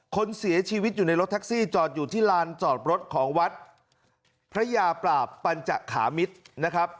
คนเสียชีวิตอยู่ในรถแท็กซี่จอดอยู่ที่ลานจอดรถของวัดพระยาปราบปัญจขามิตรนะครับ